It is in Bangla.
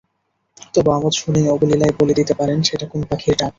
তবু আওয়াজ শুনেই অবলীলায় বলে দিতে পারেন সেটা কোন পাখির ডাক।